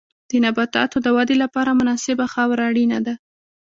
د نباتاتو د ودې لپاره مناسبه خاوره اړینه ده.